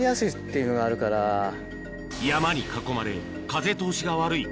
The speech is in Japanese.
山に囲まれ風通しが悪い